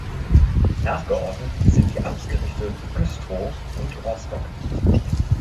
Nachgeordnet sind die Amtsgerichte Güstrow und Rostock.